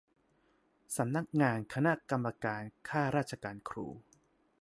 สำนักงานคณะกรรมการข้าราชการครู